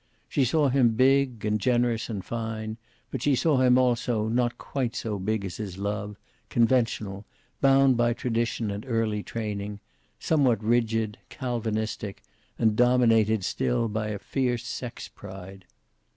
She saw him big and generous and fine, but she saw him also not quite so big as his love, conventional, bound by tradition and early training, somewhat rigid, Calvinistic, and dominated still by a fierce sex pride.